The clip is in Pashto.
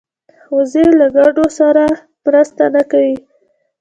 وزې له ګډو سره مرسته نه کوي